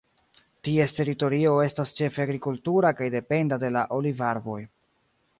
Ties teritorio estas ĉefe agrikultura kaj dependa de la olivarboj.